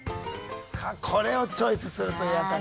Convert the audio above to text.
さあこれをチョイスするという辺り。